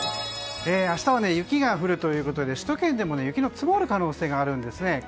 明日は雪が降るということで首都圏でも雪の積もる可能性があるんですね。